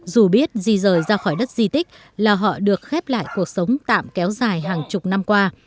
dù biết di rời ra khỏi đất di tích là họ được khép lại cuộc sống tạm kéo dài hàng chục năm qua